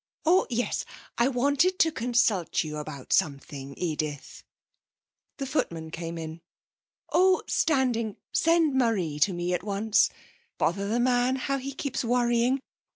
'Oh yes. I wanted to consult you about something, Edith.' The footman came in. 'Oh, Standing, send Marie to me at once.... Bother the man, how he keeps worrying!